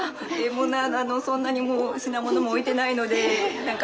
そんなにもう品物も置いてないので何か。